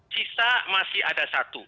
sisa masih ada satu